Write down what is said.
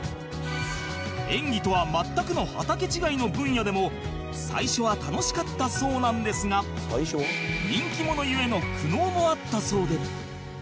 演技とは全くの畑違いの分野でも最初は楽しかったそうなんですが人気者ゆえの苦悩もあったそうで